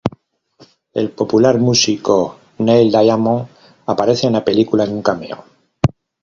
El popular músico Neil Diamond aparece en la película en un cameo.